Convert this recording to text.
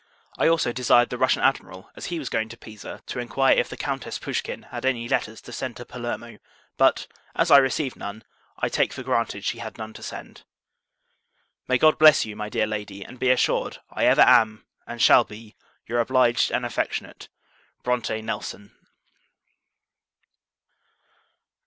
I also desired the Russian Admiral, as he was going to Pisa, to inquire if the Countess Pouschkin had any letters to send to Palermo; but, as I received none, I take for granted she had none to send. May God bless you, my dear Lady; and be assured, I ever am, and shall be, your obliged and affectionate BRONTE NELSON.